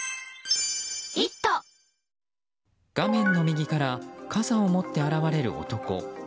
画面の右から傘を持って現れる男。